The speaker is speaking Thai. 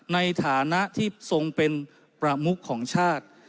ในฐานะที่ทรงเป็นประมุขของชาติ